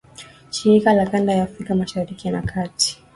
shirika za kanda ya Afrika Mashariki na Kati